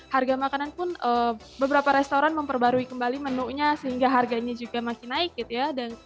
harga makanan pun beberapa restoran memperbarui kembali menunya sehingga harganya juga makin naik gitu ya